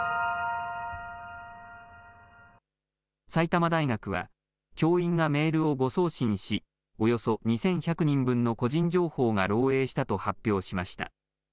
埼玉大学は教員がメールを誤送信し、およそ２１００人分の個人情報が漏えいしたと発表しました。